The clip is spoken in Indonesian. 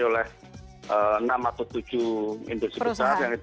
oleh enam atau tujuh industri besar